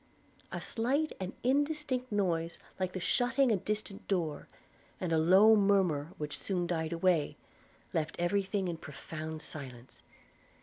A slight and indistinct noise like the shutting a distant door, and a low murmur which soon died away, left every thing in profound silence.